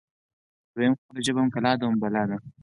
دویم: خپله ژبه هم کلا ده هم بلا